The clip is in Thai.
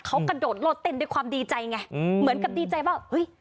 เขากระโดดโลดเต้นด้วยความดีใจไงอืมเหมือนกับดีใจว่าเฮ้ย